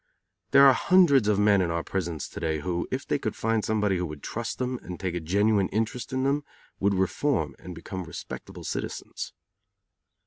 There are hundreds of men in our prisons to day who, if they could find somebody who would trust them and take a genuine interest in them, would reform and become respectable citizens.